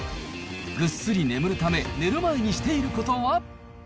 ぐっすり眠るため、寝る前にしていることは？